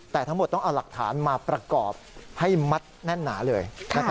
แต่ทั้งหมดต้องเอาหลักฐานมาประกอบให้มัดแน่นหนาเลย